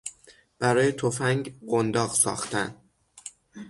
برای تفنگ قنداق ساختن